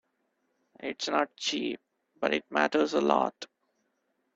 It's not cheap, but it matters a lot.